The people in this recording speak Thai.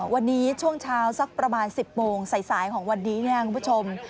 วันนี้ช่วงเช้าสักประมาณ๑๐โมงสายของวันนี้คุณผู้ชม